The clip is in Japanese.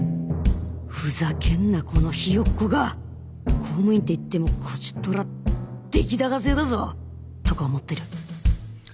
「ふざけんなこのひよっこが！」「公務員っていってもこちとら出来高制だぞ！」とか思ってる